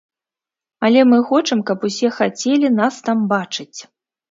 Але мы хочам, каб усе хацелі нас там бачыць.